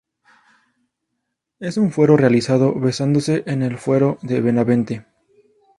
Es un fuero realizado basándose en el Fuero de Benavente.